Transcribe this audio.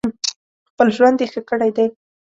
خپل ژوند یې ښه کړی دی.